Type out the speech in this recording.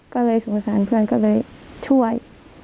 ก็เลยสงสารเพื่อนก็เลยช่วย